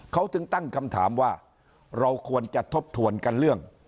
เขาถึงตั้งคำถามว่าเราควรจะทบทวนกันเรื่อง